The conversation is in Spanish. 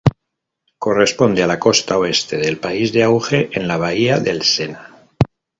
Corresponde a la costa oeste del País de Auge, en la bahía del Sena.